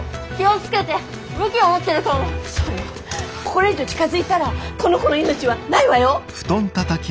これ以上近づいたらこの子の命はないわよ！